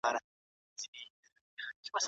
د یتیمانو او بېوزلو حقوق مه ضایع کوئ.